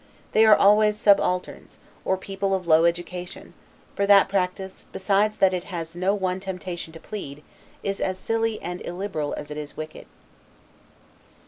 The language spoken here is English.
They are always subalterns, or people of low education; for that practice, besides that it has no one temptation to plead, is as silly and as illiberal as it is wicked.